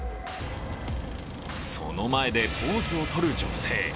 その前でポーズをとる女性。